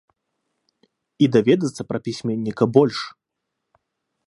І даведацца пра пісьменніка больш.